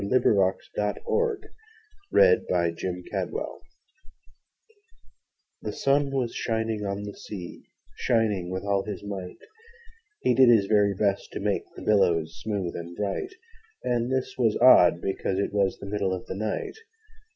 Lewis Carroll The Walrus and the Carpenter THE sun was shining on the sea, Shining with all his might: He did his very best to make The billows smooth and bright And this was odd, because it was The middle of the night.